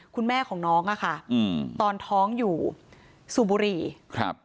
คุณแม่ของน้องอ่ะค่ะอืมตอนท้องอยู่สูบบุหรี่ครับ